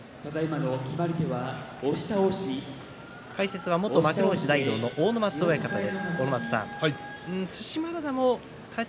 解説は元幕内大道の阿武松親方です。